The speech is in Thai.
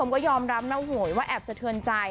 ก็ยอมรับนะโหยว่าแอบสะเทือนใจ